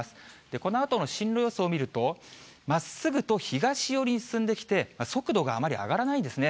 このあとの進路予想を見ると、まっすぐと東寄りに進んできて、速度があまり上がらないですね。